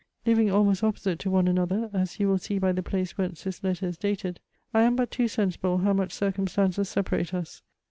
Living almost opposite to one another (as you will see by the place whence this letter is dated,) I am but too sensible, how much circumstances separate us.